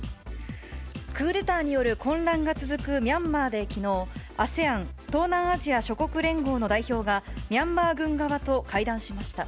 クーデターによる混乱が続くミャンマーできのう、ＡＳＥＡＮ・東南アジア諸国連合の代表が、ミャンマー軍側と会談しました。